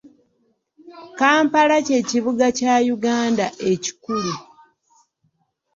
Kampala kye kibuga kya Uganda ekikulu.